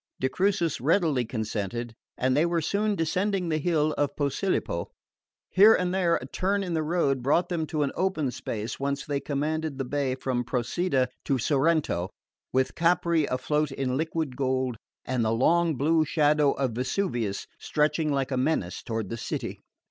De Crucis readily consented; and they were soon descending the hill of Posilipo. Here and there a turn in the road brought them to an open space whence they commanded the bay from Procida to Sorrento, with Capri afloat in liquid gold and the long blue shadow of Vesuvius stretching like a menace toward the city.